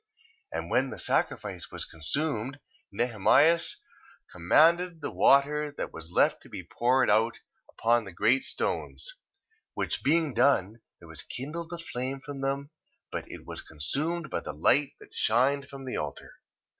And when the sacrifice was consumed, Nehemias commanded the water that was left to be poured out upon the great stones. 1:32. Which being done, there was kindled a flame from them: but it was consumed by the light that shined from the altar.